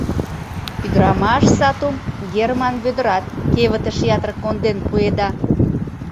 Ӱдырамаш сатум Герман Вӧдырат кевытыш ятыр конден пуэда.